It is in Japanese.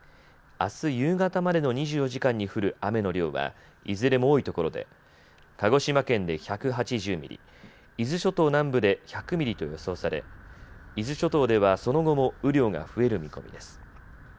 あす夕方までの２４時間に降る雨の量はいずれも多い所で鹿児島県で１８０ミリ、伊豆諸島南部で１００ミリと予想され、伊豆諸島ではその後も雨量が増える見込みです。